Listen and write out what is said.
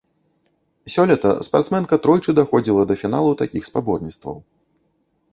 Сёлета спартсменка тройчы даходзіла да фіналу такіх спаборніцтваў.